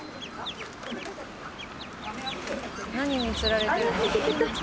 何につられてるの？